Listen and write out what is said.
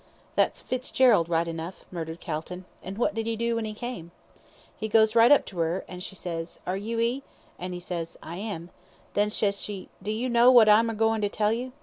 "That's Fitzgerald right enough," muttered Calton. "And what did he do when he came?" "He goes right up to 'er, and she ses, 'Are you 'e?' and 'e ses, 'I am.' Then ses she, 'Do you know what I'm a goin' to tell you?'